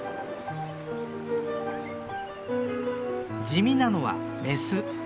地味なのはメス。